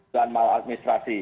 dan mal administrasi